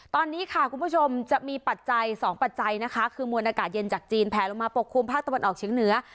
ตอนนี้ค่ะคุณผู้ชมจะมีปัจจัยสองปัจจัยนะคะคือมวลอากาศเย็นจากจีนแผลลงมาปกคลุมภาคตะวันออกเฉียงเหนือ